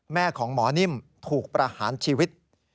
แม่ของหมอนิ่มถูกประหารชีวิต